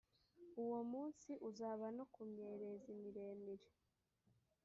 uwo munsi uzaba no ku myerezi miremire